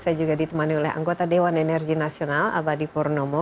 saya juga ditemani oleh anggota dewan energi nasional abadi purnomo